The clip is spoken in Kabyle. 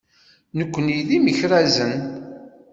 Nekkni d imekrazen.